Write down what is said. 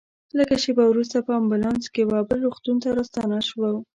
لږ شېبه وروسته په امبولانس کې وه بل روغتون ته راستانه شوو.